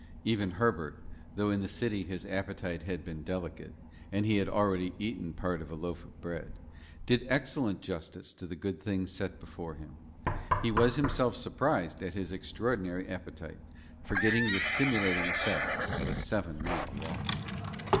Even Herbert, though in the city his appetite had been delicate, and he had already eaten part of a loaf of bread, did excellent justice to the good things set before him. He was himself surprised at his extraordinary appetite, forgetting the stimulating effect of a seven mile walk.